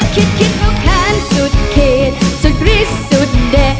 คิดเข้าแค้นสุดเขตสุดริสุดแด่